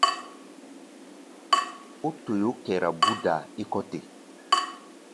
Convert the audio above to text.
Ó toyó kɛra búdaa é kɔ́ te.